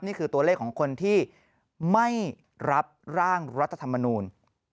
นี่คือตัวเลขของคนที่ไม่รับร่างรัฐธรรมนูล